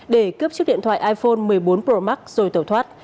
để cướp chiếc điện thoại iphone một mươi bốn pro max rồi tẩu thoát